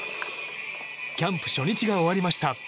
キャンプ初日が終わりました。